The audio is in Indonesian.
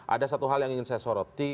ada satu hal yang ingin saya soroti